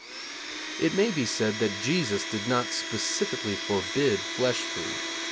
It may be said that Jesus did not specifically forbid flesh food.